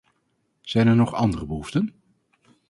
Zijn er nog andere behoeften?